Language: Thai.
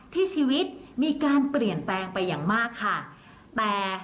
ที่ชีวิตมีการเปลี่ยนแปลงไปอย่างมากค่ะแต่